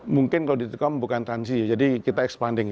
mungkin kalau di telkom bukan transi jadi kita expanding